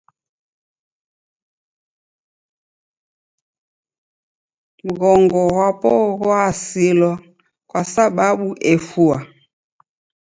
Mghongo ghw'apo ghw'asilwa kwasababu efua.